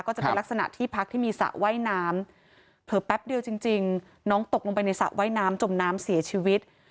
ก็จะเป็นลักษณะที่พักที่มีสระว่ายน้ำเผลอแป๊บเดียวจริงน้องตกลงไปในสระว่ายน้ำจมน้ำเสียชีวิต